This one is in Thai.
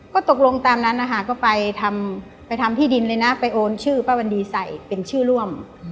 ก็ตกลงตามนั้นนะคะก็ไปทำที่ดินเลยนะไปโอนชื่อป้าวันดีใส่เป็นชื่อร่วม